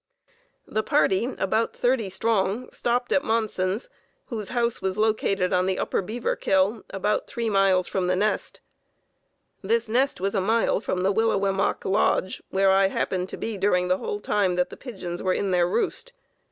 The party, about thirty strong, stopped at Monson's, whose house was located on the upper Beaverkill, about three miles from the nest. This nest was a mile from the Willewemoc Lodge, where I happened to be during the whole time that the pigeons were in their roost.